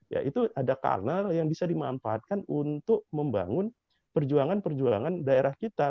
ya itu ada kanal yang bisa dimanfaatkan untuk membangun perjuangan perjuangan daerah kita